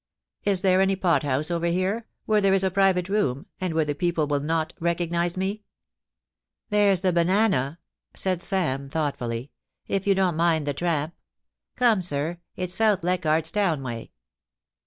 Is there any pot house over here, where there is a private room, and where the people will not recognise me F * There's the Banana,' said Sam, thoughtfully; *if you don't mind the tramp. Come, sir, it's South Leichardt's Town way.'